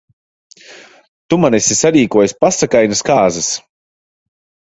Tu man esi sarīkojis pasakainas kāzas.